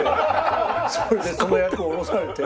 それでその役降ろされて。